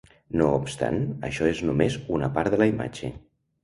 No obstant, això és només una part de la imatge.